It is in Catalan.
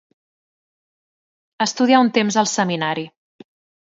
Estudià un temps al Seminari.